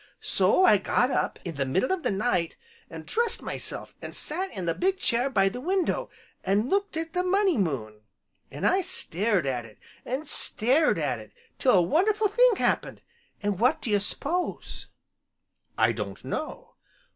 So I got up in the middle of the night, an' dressed myself, an' sat in the big chair by the window, an' looked at the Money Moon. An' I stared at it, an' stared at it till a wonderful thing happened, an' what do you s'pose?" "I don't know."